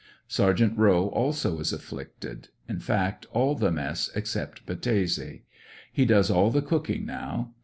Sergt. Rowe also is afflicted; in fact all the mess except Battese He does all the cooking now.